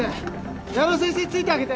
矢野先生ついてあげて。